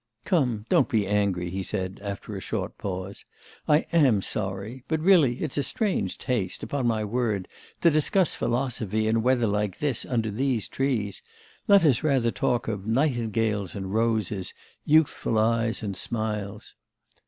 'Come, don't be angry,' he said, after a short pause. 'I am sorry. But really it's a strange taste, upon my word, to discuss philosophy in weather like this under these trees. Let us rather talk of nightingales and roses, youthful eyes and smiles.